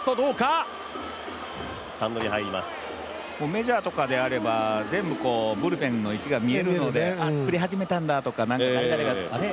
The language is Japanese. メジャーとかであれば、ブルペンの位置が見えるので作り始めたんだとか誰々が、あれ？